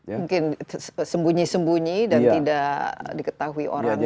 mungkin sembunyi sembunyi dan tidak diketahui orang banyak